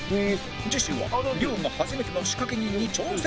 次週は亮が初めての仕掛け人に挑戦！